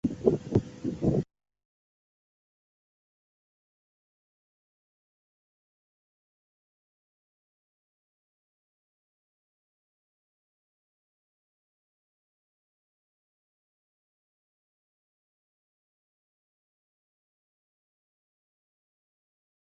汉武帝元鼎六年开西南夷而置。